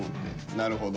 なるほど。